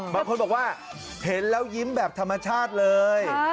บางคนบอกว่าเห็นแล้วยิ้มแบบธรรมชาติเลย